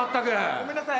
ごめんなさい。